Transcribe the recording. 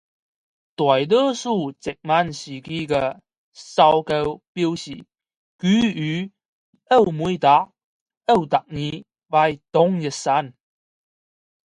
大多数殖民时期的手稿表示她与奥梅特奥特尔为同一神。